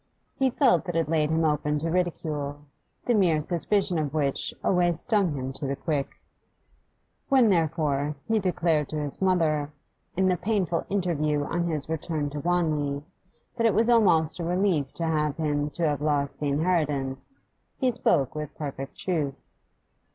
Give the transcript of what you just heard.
He felt that it laid him open to ridicule, the mere suspicion of which always stung him to the quick. When, therefore, he declared to his mother, in the painful interview on his return to Wanley, that it was almost a relief to him to have lost the inheritance, he spoke with perfect truth.